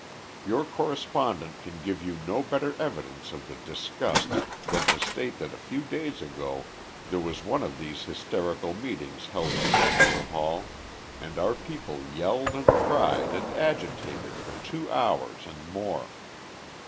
Your correspondent can give you no better evidence of the disgust than to state that a few days ago there was one of these hysterical meetings held in Faneuil Hall and our people yelled and cried and agitated for two hours and more.